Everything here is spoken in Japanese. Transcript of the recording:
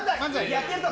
やってやるぞ。